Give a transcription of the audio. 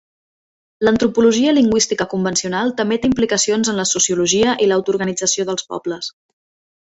L'antropologia lingüística convencional també té implicacions en la sociologia i l'autoorganització dels pobles.